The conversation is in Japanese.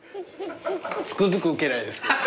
つくづくウケないです。